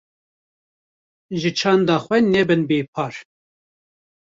Ji çanda xwe nebin bê par.